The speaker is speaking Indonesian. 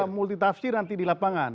multitafsir nanti di lapangan